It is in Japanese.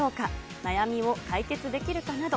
悩みを解決できるかなど。